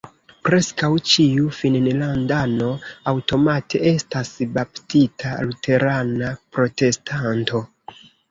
Preskaŭ ĉiu finnlandano aŭtomate estas baptita luterana protestanto.